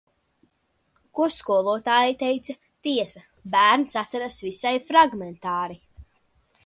Ko skolotāja teica, tiesa, bērns atceras visai fragmentāri...